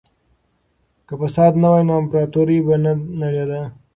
که فساد نه وای نو امپراطورۍ به نه نړېده.